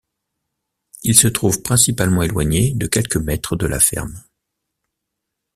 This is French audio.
Il se trouve principalement éloigné de quelques mètres de la ferme.